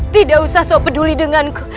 tidak usah so peduli denganku